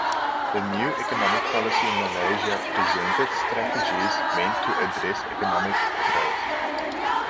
The New Economic Policy in Malaysia presented strategies meant to address economic growth.